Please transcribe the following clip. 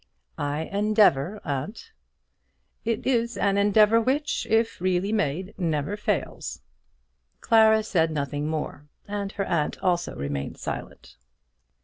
"I endeavour, aunt." "It is an endeavour which, if really made, never fails." Clara said nothing more, and her aunt also remained silent.